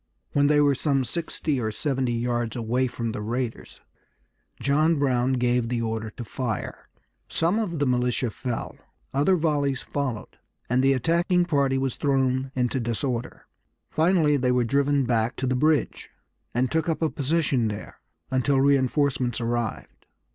When they were some sixty or seventy yards away from the raiders John Brown gave the order to fire. Some of the militia fell. Other volleys followed; and the attacking party was thrown into disorder. Finally they were driven back to the bridge, and took up a position there until reinforcements arrived.